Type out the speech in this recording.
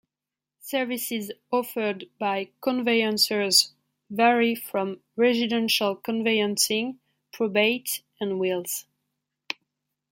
Services offered by conveyancers vary from Residential Conveyancing, Probate and Wills.